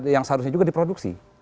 nah itu yang seharusnya juga diproduksi